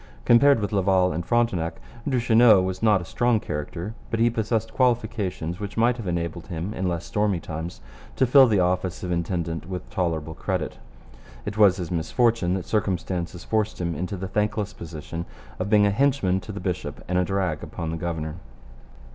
Compared with Laval and Frontenac, Duchesneau was not a strong character, but he possessed qualifications which might have enabled him in less stormy times to fill the office of intendant with tolerable credit. It was his misfortune that circumstances forced him into the thankless position of being a henchman to the bishop and a drag upon the governor.